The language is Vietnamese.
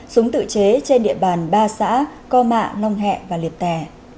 súng tự chế trên địa bàn ba xã co mạ long hẹ và liệt tè